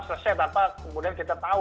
selesai tanpa kemudian kita tahu